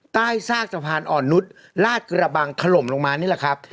ใต้ซากสะพานอ่อนนุษย์ลาดกระบังถล่มลงมานี่แหละครับ